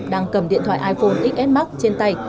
đang cầm điện thoại iphone xs max trên tay